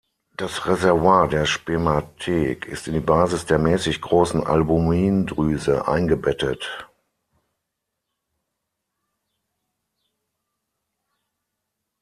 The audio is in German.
Das Reservoir der Spermathek ist in die Basis der mäßig großen Albumindrüse eingebettet.